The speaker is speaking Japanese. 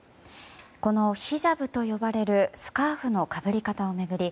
このヒジャブと呼ばれるスカーフのかぶり方を巡り